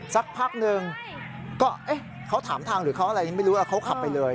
สักพักหนึ่งก็เขาถามทางหรือเขาอะไรไม่รู้แล้วเขาขับไปเลย